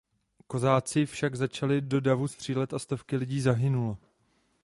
Kozáci však začali do davu střílet a stovky lidí zahynulo.